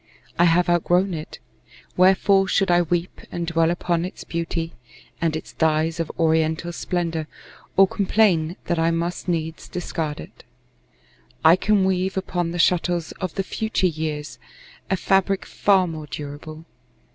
I have outgrown it. Wherefore should I weep And dwell upon its beauty, and its dyes Of oriental splendor, or complain That I must needs discard it? I can weave Upon the shuttles of the future years A fabric far more durable.